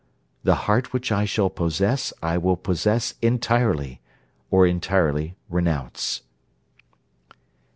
The heart which I shall possess I will possess entirely, or entirely renounce.'